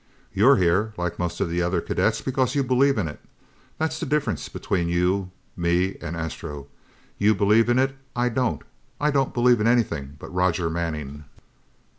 You're here, like most of the other cadets, because you believe in it. That's the difference between you, me and Astro. You believe in it. I don't I don't believe in anything but Roger Manning!"